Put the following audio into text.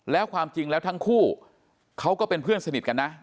แล้วความจริงแล้วทั้งคู่เขาก็เป็นเพื่อนสนิทกันนะ